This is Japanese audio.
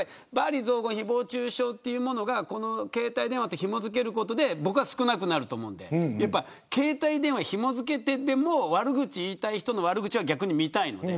罵詈雑言、誹謗中傷が携帯電話と、ひも付けることで僕は少なくなると思うので携帯電話をひも付けてでも悪口を言いたい人の悪口は逆に見たいので。